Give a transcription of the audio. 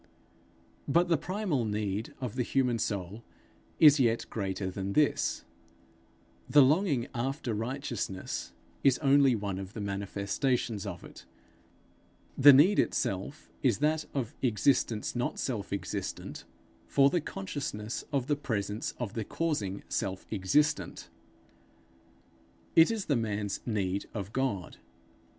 But the primal need of the human soul is yet greater than this; the longing after righteousness is only one of the manifestations of it; the need itself is that of existence not self existent for the consciousness of the presence of the causing Self existent. It is the man's need of God.